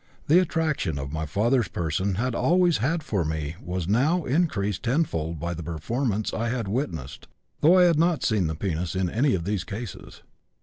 The attraction my father's person had always had for me was now increased tenfold by the performance I had witnessed (though I had not seen the penis in any of these cases).